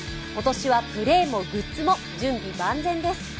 今年はプレーもグッズも準備万全です。